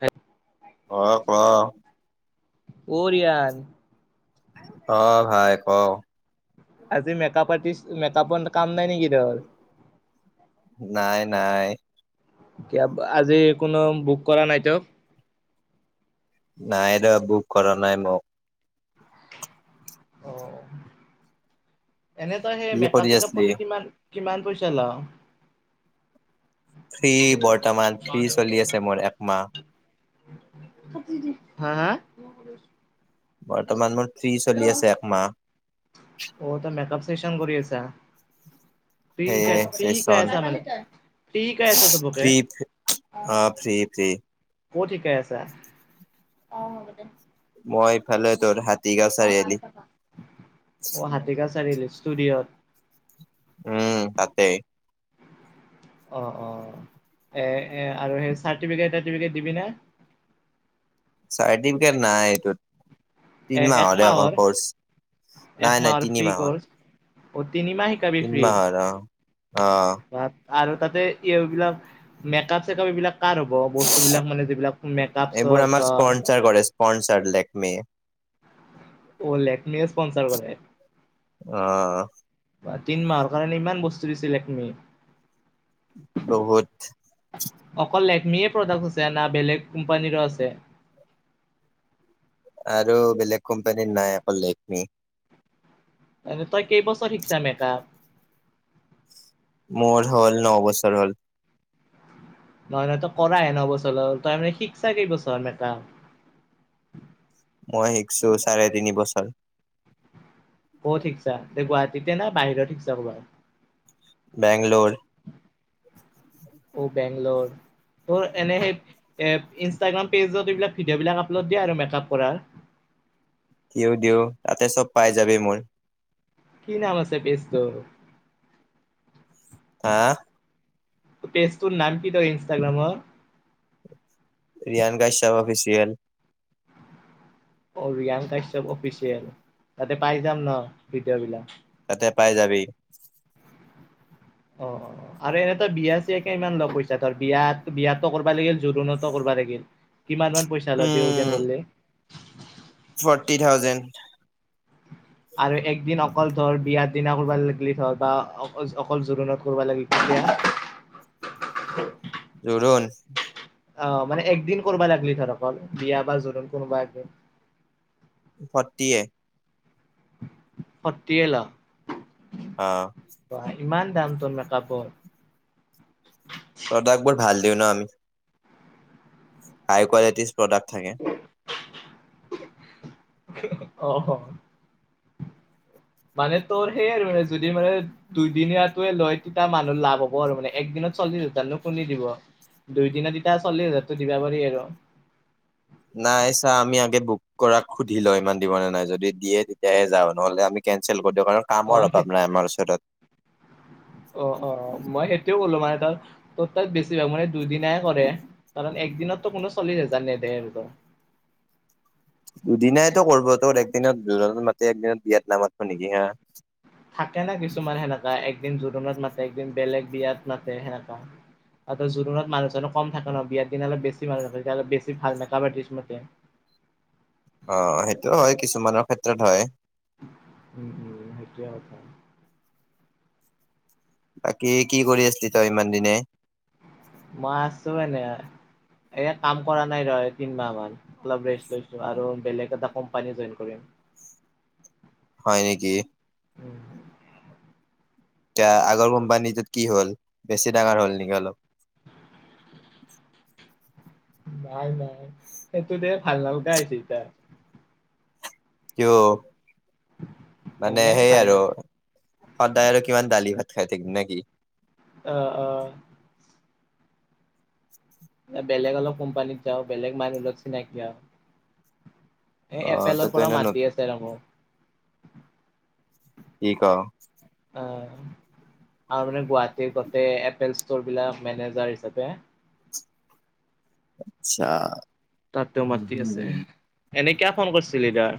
হে অ' ক কৰ ইয়াত অ' ভাই ক আজি মেকআপ আৰ্টিষ্ট মেকআপৰ কাম নাই নেকি তোৰ নাই নাই কিয় আজি কোনো বোক কৰা নাই তোক নাই ৰ বুক কৰা নাই মোক এনে তই কি সেই মেকপ কৰি চেকাপ আছিলি কিমান কিমান পইচা লও ফ্ৰী বৰ্তমান ফ্ৰী চলি আছে মোৰ একমাহ কাটি দে হা হা বৰ্তমান মোৰ ফ্ৰী চলি আছে একমাহ অ তই মেকপ ফেচন কৰি আছা ফ্ৰি কে সেয়ে ফ্ৰি চেচন শিকাইছা মানে ফ্ৰি শিকাই আছা চবকে ফ্ৰী অ ফ্ৰী ফ্ৰী ক'ত শিকাই আছা অহ হ'ব দে মই এইফালে দৰঙত অ পাই যাবা অ হাতীগাওঁ চাৰিআলিত ষ্টুডিঅত উম তাতে [unintelligible] অ অ এ এ আৰু সেই চাৰটিফিকেট টাৰ্টিফিকেট দিবি না চাৰ্টিফিকেট নাই এইটোত তিন এ মাহৰে ক একমাহৰ কৰ্চ নাই নাই একমাহৰ ফ্ৰী তিনি মাহৰ কৰ্চ। অ তিনি মাহ শিকাবি তিন ফ্ৰী মাহৰ অ অ ভা আৰু তাতে এই এইবিলাক মেকপ চেকাপ এইবিলাক কাৰ হ'ব বস্তুবিলাক মানে যিবিলাক মেকআপ চৰ ধৰ পনচ আৰ লেক মি অ লেক মি স্পনচাৰ কৰিবলে অ বা তিন মাহৰ কাৰণে ইমান বস্তু দিছিলা তুমি বহুত অকল লেক মি প্ৰডাক্ট আছে না বেলেগ কোম্পানীৰো আছে আৰু বেলেগ কোম্পানীৰ নাই অকল এইটোৱেই। এনে তই কেইবছৰ শিকিছা মেকাআপ? মোৰ হ'ল নবছৰ হ'ল। নহয় নহয় ত কৰাহে নবছৰ হ'ল তই মানে শিকছা কেইবছৰ মেকাপ। মই শিকছো চাৰে তিনি বছৰ। কত শিকছা গুৱাহাটীতে না বাহিৰত শিকছা ক'বাত? বেংলোৰ। অও বেংলৰ। তোৰ এনে সেই ইনষ্টাগ্ৰাম পেজত এইবিলাক ভিডিঅ'বিলাক আপলোড দিয়ে আৰু মেকআপ কৰাৰ। ইও দিও তাতে চব পাই যাবি মোৰ। কি নাম আছে পেজ তোৰ? হাঁ। পেজ টোৰ নাম কি তৰ ইন্ষ্টাগ্ৰামৰ। ৰিয়ান কশ্যপ অফিচিয়েল। অ ৰিয়ান কাশ্যপ অফিচিয়েল তাতে পাই যাম ন ভিডিঅ' বিলাক। তাতে পাই যাবি। অ অ অ'। আৰু এনে তয় বিয়া চিয়া কিমান ল পইছা ধৰ বিয়াত বিয়াততো কৰিবা লাগিল জোৰোণতো কৰিবা লাগিল। কিমান মান পইচা ল দেউউদ্যন উম কৰলে। Forty thousand. আৰু একদিন অকল ধৰ বিয়াৰ দিনা কৰিবা লাগিলি ধৰ বা অকল অকল জোৰোণত লাগিল তেতিয়া। জোৰোন। অঁ মানে একদিন কৰিবা লাগিলি ধৰ অকল বিয়া বা জোৰণ কোনোবা একদিন। ফৰটিয়ে। ফৰটিয়ে ল। অঁহ। বাহ ইমান দাম তোৰ মেকাপৰ। প্ৰডাক্ট বোৰ ভাল দিওঁ ন আমি। হাই কোৱালিটিচ প্ৰডাক্ট থাকে। [inaudible] অহ পাৰে তোৰ হেই আৰু যদি মানে- দুইদিনীয়াটোৱে লৈ তিতা মানুহ লাভ হ'ব আৰু মানে একদিনত চল্লিশ হাজাৰনো কোনে দিব। দুই দিনত তেতিয়া চল্লিছ হাজাৰটো দিব পাৰি আৰু। নাই চা আমি আগে বুক কৰাক সুধি লওঁ ইমান দিবনে নাই যদি দিয়ে তেতিয়াহে যাওঁ নহ'লে আমি- কেনচেল কৰি দিওঁ কাৰণ অ কামৰ সেই অভাৱ নাই আমাৰ ওচৰত। অ অ' ময় এতিয়াও অলমান এটা- ত বেছিভাগ মানে দুইদিনাই কৰে কাৰণ একদিনতো কোনো চল্লি হাজাৰ নেদে আৰু। ত' দুদিনাইতো কৰিব তোৰ একদিনত জুৰনত মাতি একদিনত বিয়াত নামাতব নেকি হাঁ। থাকে না কিছুমান সেনেকা একদিন জোৰোণত মাতে একদিন বেলেগ বিয়াত মাতে সেনেকা। আৰু তয় জোৰণত মানুহ ছানো কম থাকে ন বিয়াৰ দিনা অলপ বেছি মানুহ থাকে তেতিয়া অলপ বেছি ভাল মেকাপ আৱৰ্তিচ মাতে। অঁ, সেইটো হয় কিছুমানৰ ক্ষেত্ৰত হয়। উম উম' হেটোৱে কথা। বাকী কি কৰি আছিলি তই ইমান দিনে? মই আছো এনে এয়া কাম কৰা নাই ৰ তিন মাহ মান। অলপ ৰেষ্ট লৈছো আৰু বেলেগ এটা কোম্পানী জইন কৰিম। হয় নেকি তিয়া আগৰ কোম্পানীটোত কি হ'ল বেছি ডাঙৰ হ'ল নেকি অলপ নাই নাই সেইটো দে ভাল নালগা হৈছি এইতা কিয় মানে এনে সেই ভাল আৰু নালাগে সদায় আৰু কিমান দালি ভাত খাই থাকিম নে কি অ অ [unintelligible] বেলেগ অলপ কোম্পানীত যাওঁ বেলেগ মানুহ লগত চিনাকি আউ এ অ এপেলৰ তইতো পৰা এনে মাতি নতুন আছে ৰব কি ক আ আৰু মানে গুৱাহাটীৰ গটেই এপেল ষ্টো'ৰবিলাক মেনেজাৰ হিচাপে আতচ্ছা তাতও মাতি আছে এনে কিয় ফোন কৰছিলি দাৰ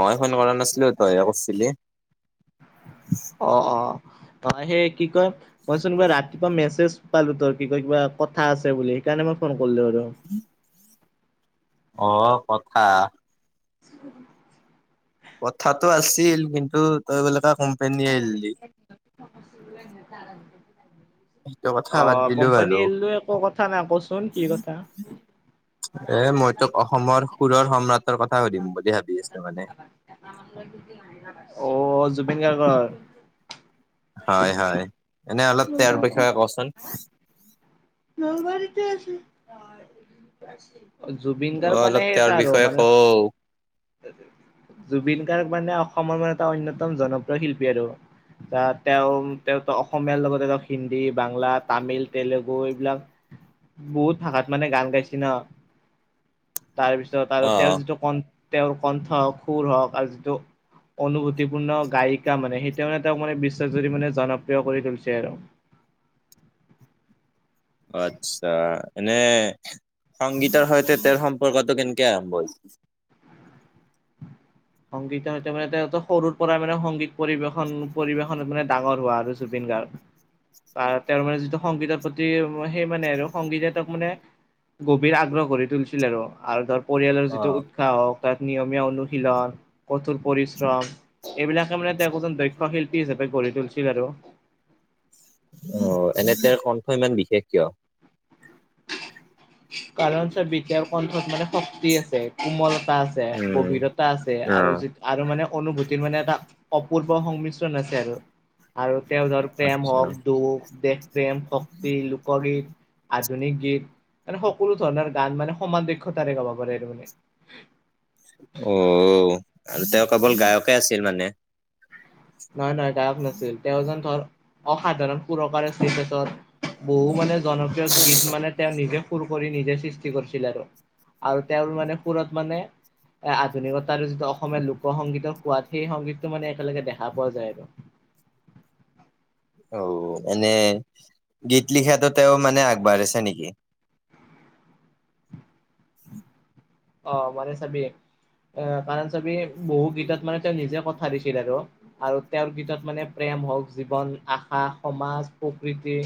মই ফোন কৰা নাছিলো তই হে কৰছিলি অ অ অ সেই কি কয় মইচোন ৰাতিপুৱা মেছেজ পালো তোৰ কি কয় কিবা কথা আছে বুলি সেইকাৰণে মই ফোন কৰলো আৰু উম [unintelligible] অ কথা উ [unintelligible] কথাটো আছিল কিন্তু তই বোলে কা কোম্পানী এৰলি এনেত আল সেইটো কথা [inaudible] অ বাদ দিলো বাৰু কোম্পানী এৰলো একো কথা নাই কচোন কি কথা এ মই তোক অসমৰ সুৰৰ সম্ৰাটৰ কথা সুধিম বুলি ভাবি আছো মানে অ জুবিন গাৰ্গৰ হয় হয় এনে অলপ তেওঁৰ বিষয়ে কচোন নলবাৰীতে আছে অ জুবিন অ গাৰ্গ মানে অলপ তেওঁৰ চাৰো বিষয়ে মানে কও জুবিন গাৰ্গ মানে অসমৰ মানে এটা অন্যতম জনপ্ৰিয় শিল্পী আৰু তা তেওঁ তেওঁটো অসমীয়াৰ লগতে তেওঁ হিন্দী বাংলা তামিল তেলেগু এইবিলাক বহুত ভাষাত মানে গান গাইছে ন তাৰপিছত আৰু অ। তেওঁৰ যিটো কন্ঠ তেওঁৰ কণ্ঠ সুৰ হওক আৰু যিটো অনুভূতিপূৰ্ণ গায়িকা মানে সেই তেওঁ তেওঁক মানে বিশ্বাসজুৰি মানে জনপ্ৰিয় কৰি তুলিছে আৰু অ আচ্ছা এনে সংগীতৰ সৈতে তেওঁৰ সম্পৰ্কটো কেনেকে আৰম্ভ হৈছ সংগীতৰ সৈতে মানে তেওঁটো সৰুৰ পৰাই মানে সংগীত পৰিবেশন পৰিৱেশন মানে ডাঙৰ জু গ্গ মানে যি সংগীত [inaudible] প্ৰতি সেই মানে আৰু সংগীতে তেওঁক মানে গভীৰ আগ্ৰহ কৰি তুলছিল আৰু ধৰ পৰিয়ালৰ অ যিটো উৎসাহ হওক তাত নিয়মীয়া অনুশীলন কঠোৰ পৰিশ্ৰম এইবিলাকে মানে তেওঁক এজন দক্ষ শিল্পী হিচাপে গঢ়ি তুলিছিল আৰু অ এনে তেঁওৰ কণ্ঠ ইমান বিশেষ কিয় কাৰণ চ বিদ্যাৰ কণ্ঠত মানে শক্তি আছে কোমলতা আছ ছে উম গভীৰতা আছে অ আৰু যি আৰু মানে অনুভূতিৰ মানে এটা অপূৰ্ব সংমিশ্ৰণ আছে আৰু আৰু তেওঁ ধৰ প্ৰেম আচ্ছা হওক দুখ দেশ প্ৰেম শক্তি লোকগীত আধুনিক গীত মানে সকলো ধৰণৰ গান মানে সমান দক্ষতাৰে গাব পাৰে আৰু মানে অ আৰু তেওঁ কেৱল গায়কে আছিল মানে। নহয় নহয় গায়ক নাছিল, তেওঁজন ধৰ অসাধাৰণ সুৰকাৰ আছিল তেখেতৰ। বিহু মানে জনপ্ৰিয় গীত মানে তেওঁ নিজে। ফুৰ কৰি নিজে সৃষ্টি কৰিছিল আৰু আৰু তেওঁৰ মানে ফুৰত মানে এ আধুনিকতা যিটো অসমীয়া লোক সংগীতৰ সোৱাদ সেই সংগীতটো মানে একেলগে দেখা পোৱা যায় আৰু অ এনে গীত লিখাতটো তেওঁ মানে আগবাঢ়িছে নেকি? অ মানে চাবি অ কাৰণ চাবি বহু গীতত মানে তেওঁ নিজে কথা দিছিল আৰু আৰু তেওঁৰ গীতত মানে প্ৰেম হওক জীৱন আশা সমাজ প্ৰকৃতি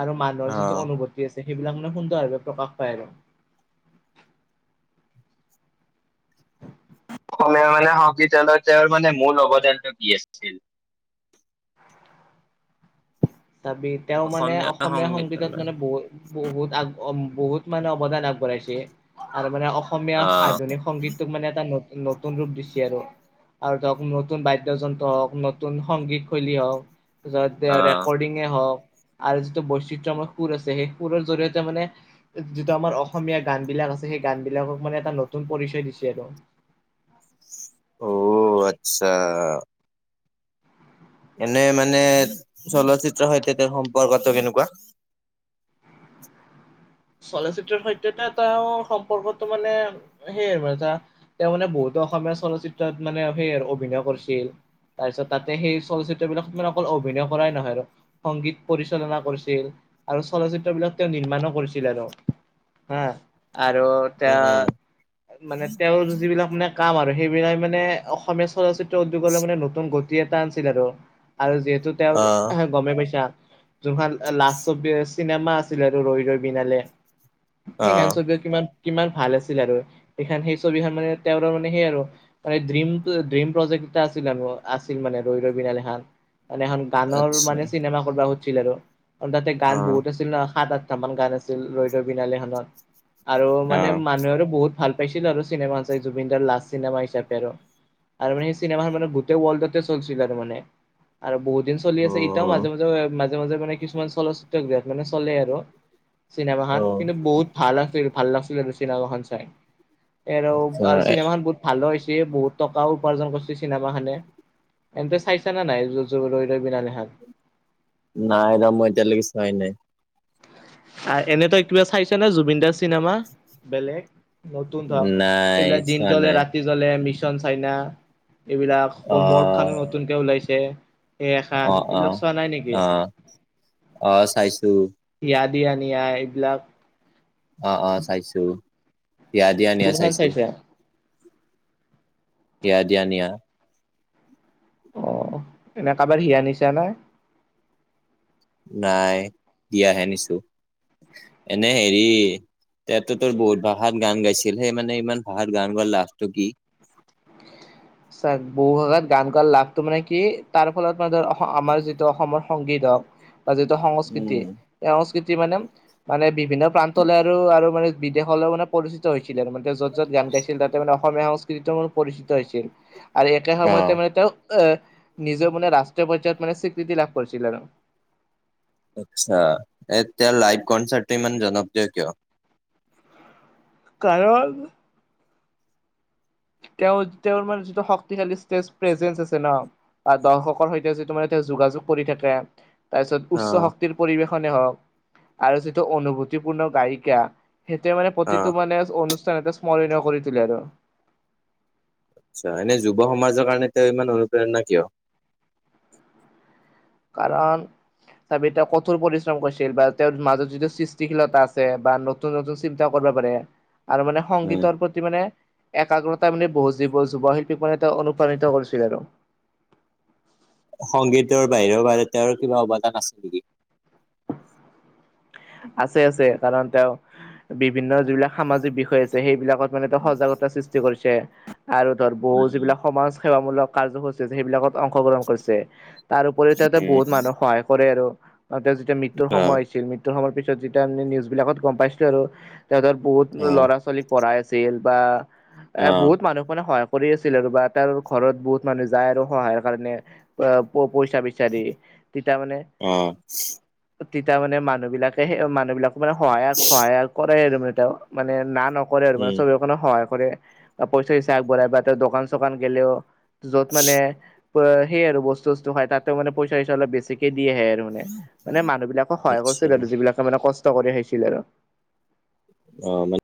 আৰু অ মানুহৰ যিটো অনুভূতি আছে সেইবিলাক মানে সুন্দৰভাৱে প্ৰকাশ পায় আৰু অসম মানে হকী তেওঁত তেওঁৰ মানে মূল অৱদানটো কি আছিল তাৰাপি তেওঁ মানে অসমীয়া সংগীতত মানে বহুত বহুত আগ বহুত মানে অৱদান আগবঢ়াইছে আৰু মানে অ অসমীয়া আহ আধুনিক সংগীতটোক মানে এটা নতুন ৰূপ দিছে আৰু আৰু ধৰক নতুন বাদ্যযন্ত্ৰ হওক নতুন সংগীত শৈলী হওক আহ। তাৰপিছত হওক আৰু যিটো বৈচিত্ৰময় সুৰ আছে সেই সুৰৰ জৰিয়তে মানে যিটো আমাৰ অসমীয়া গান বিলাক আছে সেই গান বিলাকক মানে এটা নতুন পৰিচয় দিছে আৰু অ আচ্ছা এনেই মানে চলচ্চিত্ৰৰ সৈতে তেওঁৰ সম্পৰ্কটো কেনেকুৱা চলচিত্ৰ সৈতে এটা সম্পৰ্কটো মানে সেইয়াই আৰু ম এটা তেওঁ মানে বহুতো অসমীয়া চলচিত্ৰত মানে সেই অভিনয় কৰিছিল তাৰপিছত তাতে সেই চলচ্চিত্ৰ বিলাক মান অকল অভিনয় কৰাই নহয় আৰু সংগীত পৰিচালনা কৰিছিল আৰু চলচিত্ৰ বিলাক তেওঁ নিৰ্মাণো কৰিছিল। আৰু উম, উম, এয়া মানে তেওঁৰ যিবিলাক মানে কাম আৰু সেইবিলাক মানে অসমীয়া চলচিত্ৰ উদ্যোগলৈ মানে নতুন গ গতি এটা আনিছিল আৰু আৰু যিহেতু তেওঁৰ অ', গমেই পাইছা যোনখন লাষ্ট চব চিনেমা আছিল আৰু ৰৈ ৰৈ বিনালে সেইখন অ'। ছবিও কিমান কিমান ভাল আছিল আৰু সেইখন সেই ছবিখন মানে তেওঁৰ মানে সেই আৰু মানে ড্ৰিম ড্ৰিম প্ৰজেক্ট এটা আছিল আছিল মানে ৰৈ ৰৈ বিনালে খান মানে এখন গানৰ আচ্ছা। মানে চিনেমা কৰিবা খুজছিল আৰু তাতে গান অ', বহুত আছিল ন সাত আঠটা মান গান আছিল ৰৈ ৰৈ বিনালে খানত আৰু মানে অ', মানুহৰো বহুত ভাল স্পেচিয়েল আৰু চিনেমা আছে জুবিন দাৰ লাষ্ট চিনেমা হিচাপে আৰু আৰু মানে সেই চিনেমাখন মানে গোটেই ৱৰ্ল্ডতে চলছিল আৰু মানে আৰু বহুত দিন চলি আছে এতিয়াও উম, মাজে মাজে মাজে মাজে মানে কিছুমান চলচিত্ৰ গৃহত মানে চলে আৰু চিনেমাখান অ', কিন্তু বহুত ভাল আছিল ভাল লাগছিল চিনেমাখন চাই এৰৱ আৰু চিনেমা খন বহুত ভালো হৈছে বহুত টকাও উপাৰ্জন কৰছি চিনেমা খানে এন্তে চাইছা না নাই ৰৈ ৰৈ বিনালে খান নাই ৰ মই এতিয়া লৈকে চোৱাই নাই। আৰ এনে তই কিবা চাইছ নে জুবিন দাৰ চিনেমা বেলেগ নতুন ধক নাই এইবিলাক দিন চোৱা জলে নাই ৰাতি ৰাতি জলে মিছন চাইনা এইবিলাক অ', হোমৱৰ্কখনো নতুনকে ওলাইছে। এই এখান অ', এইবিলাক অ'। চোৱা নাই নেকি? অ', অ চাইছো। হিয়া দিয়া নিয়া এইবিলাক অ অ চাইছো হিয়া দিয়া নিয়া কোনখন চাইছো। চাইছা? হিয়া দিয়া নিয়া অঁ' এনেই কাবাৰ হিয়া নিচা না? নাই দিয়াহে নিছো, এনেই হেৰি তেওঁটো তোৰ বহুত ভাষাত গান গাইছিল। সেই মানে ইমান ভাষাত গান গোৱাৰ লাভটো কি। চা বহু ভাষাত গান গোৱাৰ লাভটো মানে কি তাৰ ফলত মানে ধৰ অস-আমাৰ যিটো অসমৰ সংগীত হওক- বা যিটো সংস্কৃতি উম। সেই সংস্কৃতি মানে মানে বিভিন্ন প্ৰান্তলৈ আৰু আৰু মানে- বিদেশলৈ মানে পৰিচিত হৈছিলে আৰু মানে তেওঁ য'ত য'ত গান গাইছিল তাতে মানে অসমীয়া সংস্কৃতিও মানে পৰিচিত হৈছিল। আৰু একে সময়তে মানে তেওঁ অহ' নিজৰ মানে ৰাষ্ট্ৰীয় পৰ্যায়ত মানে স্বীকৃতি লাভ কৰিছিল আৰু। আচ্ছা' এ তেওঁৰ লাইভ কনচাৰ্টটো ইমান জনপ্ৰিয় কিয়? কাৰণ তেওঁ-তেওঁৰ মানে যিটো শক্তিশালী ষ্টেজ প্ৰেজেঞ্চ আছে ন'- বা দৰ্শকৰ সৈতে যিটো মানে তেওঁ যোগাযোগ কৰি থাকে- তাৰপিছত উচ্চ অ', শক্তিৰ পৰিৱেশনে হওক আৰু যিটো অনুভূতিপূৰ্ণ গায়িকা- সেইটোৱে মানে প্ৰতিটো অ', মানে অনুষ্ঠানতে স্মৰণীয় কৰি তোলে আৰু। আচ্ছা' এনেই যুৱ সমাজৰ কাৰণে তেওঁ ইমান অনুপ্ৰেৰণা কিয়? কাৰণ তাপি তেওঁ কঠোৰ পৰিশ্ৰম কৰিছিল বা তেওঁৰ মাজত যিটো সৃষ্টিশীলতা আছে বা ন নতুন নতুন চিন্তা কৰিব পাৰে আৰু মানে উম। সংগীতৰ প্ৰতি মানে একাগ্ৰতা মানে বহুত জীৱ যুৱ শিল্পীক মানে তেওঁ অনুপ্ৰাণিত কৰিছিল আৰু। সংগীতৰ বাহিৰেও বাদে তেওঁৰ কিবা অৱদান আছিল নেকি? আছে আছে কাৰণ তেওঁ বিভিন্ন যিবিলাক সামাজিক বিষয় আছে সেইবিলাকত মানে তেওঁ সজাগতা সৃষ্টি কৰিছে। আৰু ধৰ বহু যিবিলাক উম, সমাজ সেৱা মূলক কাৰ্যসূচী আছে সেইবিলাকত অংশগ্ৰহণ কৰিছে। তাৰ উপৰি তেওঁটো বহুত মানুহ সহায় কৰে আৰু তেওঁ যেতিয়া মৃত্যুৰ সময় অ', হৈছিল, মৃত্যুৰ সময়ৰ পিছত যেতিয়া আমি নিউজ বিলাকত গম পাইছিলো আৰু- তেওঁ ধৰ বহুত অ', ল'ৰা-ছোৱালীক পঢ়াই আছিল বা এ অ', বহুত মানুহক মানে সহায় কৰি আছিল আৰু বা তাৰ ঘৰত বহুত মানুহ যায় আৰু সহায়ৰ কাৰণে- অঁ। প-পইচা বিচাৰি তেতিয়া মানে অঁ। তেতিয়া মানে মানুহবিলাকে সেই মানুহবিলাকো মানে সহায় সহায় কৰে আৰু মানে তেওঁ। মানে না নকৰে আৰু মানে উম। চব মানে সহায় কৰে বা পইচা আগবঢ়াই বা তেওঁ দোকান-চোকান গেলেও য'ত মানে সেই আৰু বস্তু-চস্তু হেৰাই, তাতে মানে পইচা- চইচা অলপ বিচাৰকে দি আহে। মানে, মানে মানুহ বিলাকক সহায় আচ্ছা, কৰিছিল আৰু যিবিলাকে মানে কষ্ট কৰি খাইছিল আৰু। অহ' মানে